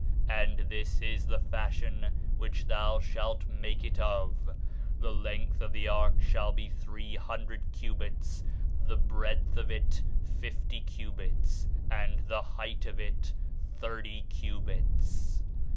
And this is the fashion which thou shalt make it of: The length of the ark shall be three hundred cubits, the breadth of it fifty cubits, and the height of it thirty cubits.